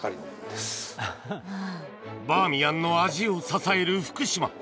バーミヤンの味を支える福島